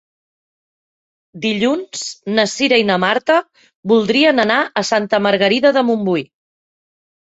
Dilluns na Cira i na Marta voldrien anar a Santa Margarida de Montbui.